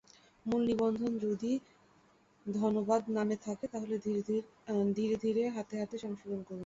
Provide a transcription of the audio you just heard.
মূল নিবন্ধ যদি ধানবাদ নামে থাকে, তাহলে ধীরে ধীরে হাতে হাতে সংশোধন করুন।